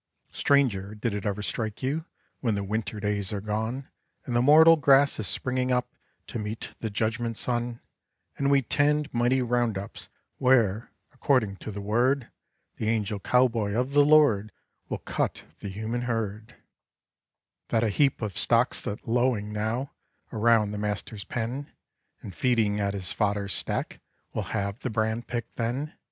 Stranger, did it ever strike you, When the winter days are gone And the mortal grass is springing up To meet the judgment sun, And we 'tend mighty round ups Where, according to the Word, The angel cowboy of the Lord Will cut the human herd, That a heap of stock that's lowing now Around the Master's pen And feeding at his fodder stack Will have the brand picked then?